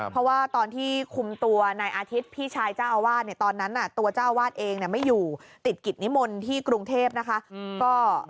เพราะว่าตอนที่คุมตัวนายอาทิตย์พี่ชายเจ้าอาวาสเนี่ยตอนนั้นตัวเจ้าอาวาสเองไม่อยู่ติดกิจนิมนต์ที่กรุงเทพนะคะ